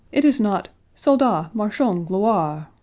It is not, "Soldats! marchons, gloire!"